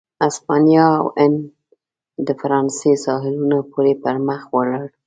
اسپانیا او ان د فرانسې ساحلونو پورې پر مخ ولاړ.